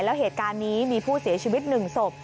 แล้วเหตุการณ์นี้มีผู้เสียชีวิต๑ศพ